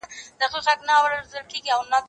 زه مخکې درس لوستی و!!